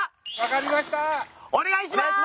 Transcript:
お願いします！